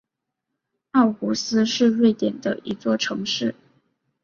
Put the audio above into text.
奥胡斯是瑞典的一座城市。